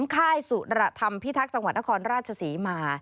ค่ายสุรธรรมพิทักษ์จังหวัดนครราชศรีมา